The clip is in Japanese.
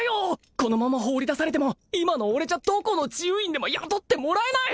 このまま放り出されても今の俺じゃどこの治癒院でも雇ってもらえない！